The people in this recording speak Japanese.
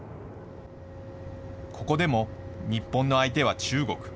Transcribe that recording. ここでも日本の相手は中国。